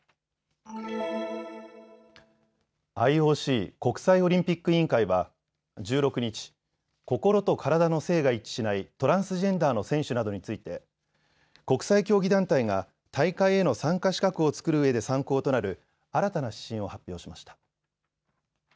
ＩＯＣ・国際オリンピック委員会は１６日、心と体の性が一致しないトランスジェンダーの選手などについて国際競技団体が大会への参加資格を作るうえで参考となる新たな指針を発表しました。